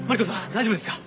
大丈夫ですか？